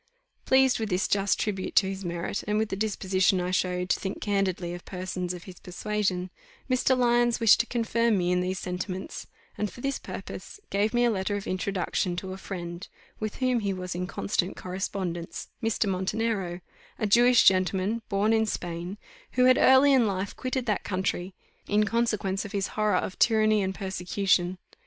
Pleased with this just tribute to his merit, and with the disposition I showed to think candidly of persons of his persuasion, Mr. Lyons wished to confirm me in these sentiments, and for this purpose gave me a letter of introduction to a friend, with whom he was in constant correspondence, Mr. Montenero, a Jewish gentleman born in Spain, who had early in life quitted that country, in consequence of his horror of tyranny and persecution.